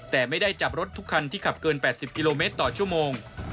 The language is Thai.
แต่ไม่ได้จับรถทุกคันที่ขับเกิน๘๐กิโลเมตรต่อชั่วโมง